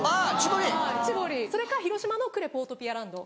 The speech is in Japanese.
それか広島の呉ポートピアランド。